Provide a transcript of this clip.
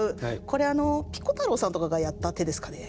これあのピコ太郎さんとかがやった手ですかね。